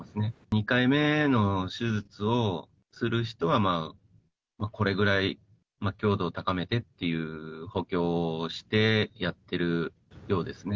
２回目の手術をする人は、これぐらい強度を高めてっていう補強をしてやってるようですね。